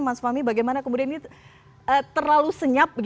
mas fahmi bagaimana kemudian ini terlalu senyap